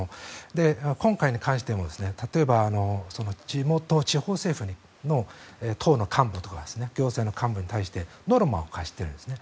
今回に関しても例えば地元、地方政府の党の幹部とかが行政の幹部に対してノルマを課しているんです。